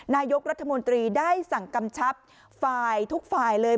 นายกรัฐมนตรีได้สั่งกำชับฝ่ายทุกฝ่ายเลย